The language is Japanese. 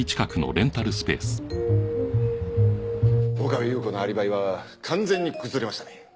岡部祐子のアリバイは完全に崩れましたね。